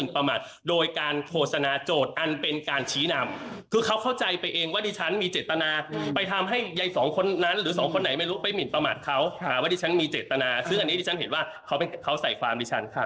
นะอยู่เผ็ดตนาซึ่งอันนี้ที่ฉันเห็นว่าไข่เขาใส่ความดิฉัน